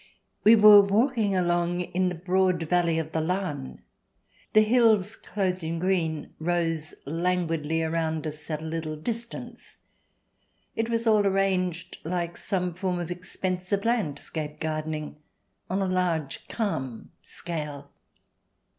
We were walking along in the broad valley of the Lahn. The hills, clothed in green, rose languidly around us at a little distance. It was all arranged, like some form of expensive landscape gardening, on a large, calm scale.